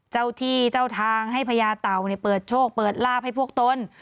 เจ้าที่เจ้าทางให้พญาเต่าเปิดโชคเปิดลาบให้พวกตน